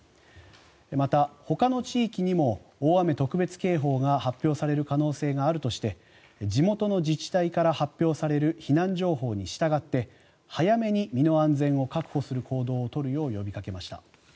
また、ほかの地域にも大雨特別警報が発表される可能性があるとして地元の自治体から発表される避難情報に従って早めに身の安全を確保する行動を取るよう呼びかけました。